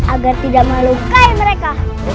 agar tidak melukai mereka